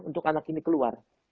untuk anak ini keluar